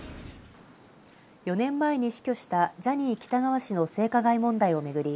４年前に死去したジャニー喜多川氏の性加害問題を巡り